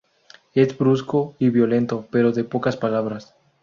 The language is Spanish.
Es brusco y violento pero de pocas palabras.